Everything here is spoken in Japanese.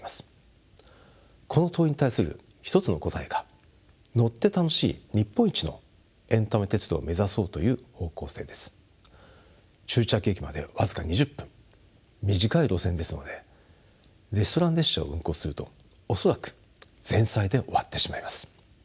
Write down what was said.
この問いに対する一つの答えが終着駅まで僅か２０分短い路線ですのでレストラン列車を運行すると恐らく前菜で終わってしまいます。